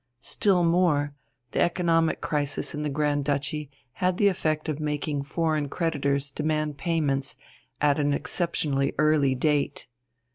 Still more: the economic crisis in the Grand Duchy had the effect of making foreign creditors demand payments at an exceptionally early date.